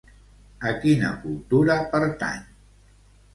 A quina cultura pertany?